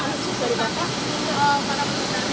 apa yang sudah dilakukan para menteri